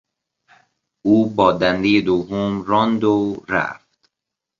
او با دندهی دوم راند و رفت.